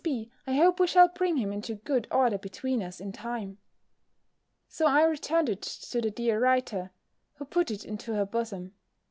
B., I hope we shall bring him into good order between us in time." So I returned it to the dear writer; who put it into her bosom.